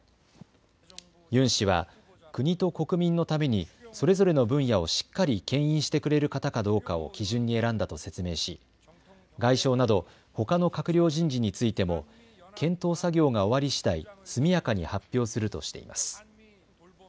ユン氏は国と国民のためにそれぞれの分野をしっかりけん引してくれる方かどうかを基準に選んだと説明し外相などほかの閣僚人事についても検討作業が終わりしだい速やかに発表するとしています。